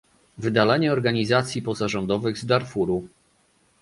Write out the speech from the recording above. Wydalenie organizacji pozarządowych z Darfuru